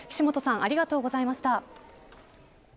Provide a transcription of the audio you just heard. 岸本さんありがとうございました。